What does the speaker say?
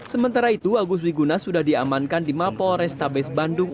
sementara itu agus wiguna sudah diamankan di mapol restabes bandung